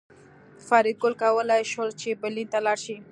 فریدګل کولی شول چې برلین ته لاړ شي